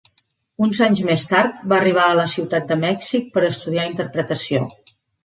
Uns anys més tard, va arribar a la ciutat de Mèxic per estudiar interpretació.